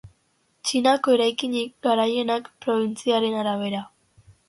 Txinako eraikinik garaienak probintziaren arabera.